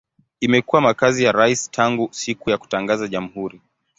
Imekuwa makazi ya rais tangu siku ya kutangaza jamhuri.